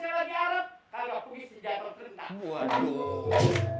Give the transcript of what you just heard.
ini pukulun saya lagi harap kalau pukulun si jatuh kentang